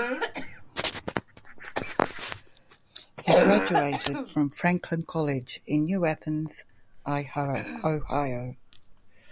He graduated from Franklin College in New Athens, Ohio.